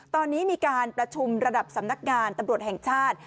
ตอนนี้มีการประชุมระดับสำนักงานตำรวจแห่งชาติ